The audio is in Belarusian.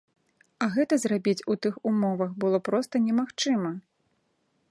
А гэта зрабіць у тых умовах было проста немагчыма.